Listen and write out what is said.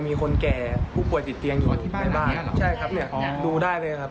มีคนแก่ผู้ป่วยติดเตียงอยู่ที่บ้านใช่ครับเนี่ยดูได้เลยครับ